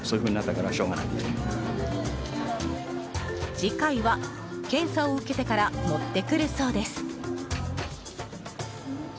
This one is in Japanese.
次回は検査を受けてから持ってくるそうです。